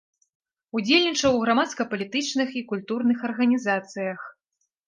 Удзельнічаў грамадска-палітычных і культурных арганізацыях.